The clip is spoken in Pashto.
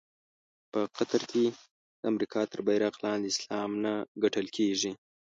په قطر کې د امریکا تر بېرغ لاندې اسلام نه ګټل کېږي.